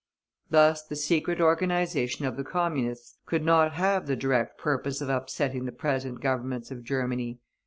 Thus the secret organization of the Communists could not have the direct purpose of upsetting the present Governments of Germany.